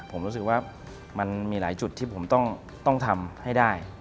ผมรู้สึกว่ามันมีหลายจุดที่ผมต้องทำให้ได้